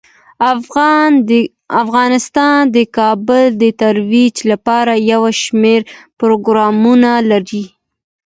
افغانستان د کابل د ترویج لپاره یو شمیر پروګرامونه لري.